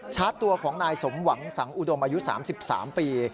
ชาร์จตัวของนายสมหวังสังอุดมอายุ๓๓ปี